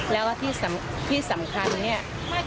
แล้วก็ที่สำคัญเนี่ย